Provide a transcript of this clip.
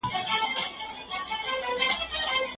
هوډمن استاد زده کوونکو ته د دستمال کارولو ګټې ښووي.